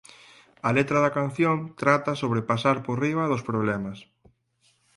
A letra da canción trata sobre pasar por riba dos problemas.